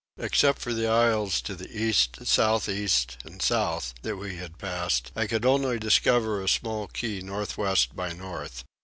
Except the isles to the east south east and south that we had passed I could only discover a small key north west by north.